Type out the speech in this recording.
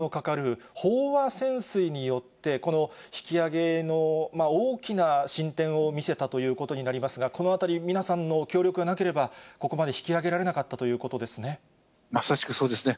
そして潜水士の方は、非常にストレスのかかる飽和潜水によって、この引き揚げの大きな進展を見せたということになりますが、このあたり、皆さんの協力がなければ、ここまで引き揚げられなかまさしくそうですね。